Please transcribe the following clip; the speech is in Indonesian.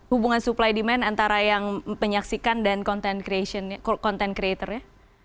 hubungan supply demand antara yang penyaksikan dan content creator nya